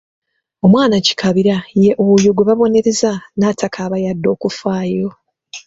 Omwana kikaabira ye oyo gwe babonereza n’atakaaba yadde okufaayo.